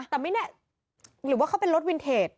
แต่ไม่แน่หรือว่าเขาเป็นรถวินเทจ